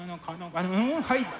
はい！